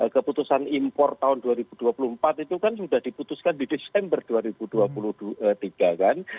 keputusan impor tahun dua ribu dua puluh empat itu kan sudah diputuskan di desember dua ribu dua puluh tiga kan